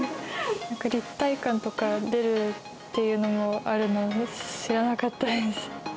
立体感とか出るっていうのもあるのも知らなかったです。